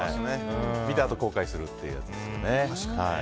見たあと後悔するってやつですね。